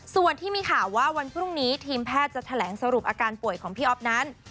ส่วนที่มีข่าวว่าวันพรุ่งนี้ทีมแพทย์จะแถลงสรุปอาการป่วยของพี่อ๊อฟนั้น